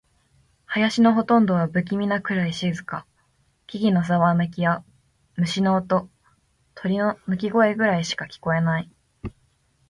林のほとんどは不気味なくらい静か。木々のざわめきや、虫の音、鳥の鳴き声くらいしか聞こえない。